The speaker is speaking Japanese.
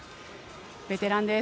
ベテランです。